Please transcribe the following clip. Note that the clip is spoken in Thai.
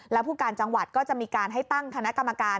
แล้วผู้การจังหวัดก็จะมีการให้ตั้งคณะกรรมการ